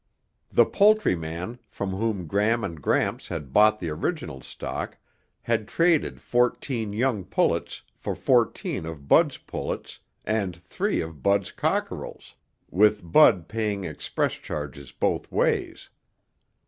The poultryman from whom Gram and Gramps had bought the original stock had traded fourteen young pullets for fourteen of Bud's pullets and three of Bud's cockerels, with Bud paying express charges both ways.